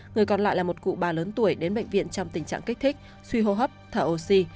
người còn lại là một cụ bà lớn tuổi đến bệnh viện trong tình trạng kích thích suy hô hấp thở oxy